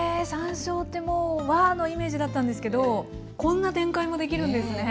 山椒ってもう和のイメージだったんですけどこんな展開もできるんですね。ね